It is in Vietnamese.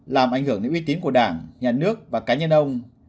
làm ảnh hưởng đến uy tín của đảng nhà nước và cá nhân ông